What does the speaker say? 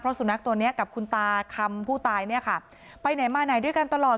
สุนัขตัวเนี้ยกับคุณตาคำผู้ตายเนี่ยค่ะไปไหนมาไหนด้วยกันตลอด